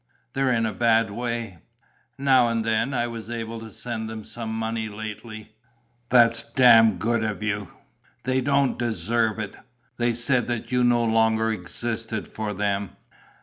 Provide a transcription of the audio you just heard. They're in a bad way." "Now and then. I was able to send them some money lately." "That's damned good of you. They don't deserve it. They said that you no longer existed for them."